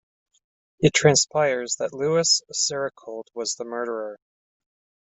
It transpires that Lewis Serrocold was the murderer.